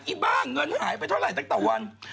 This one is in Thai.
ไอ้บ้าเงินหายไปเท่าไหร่จากต่อวัน